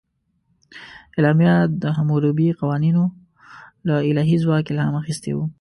اعلامیه د حموربي قوانینو له الهي ځواک الهام اخیستی و.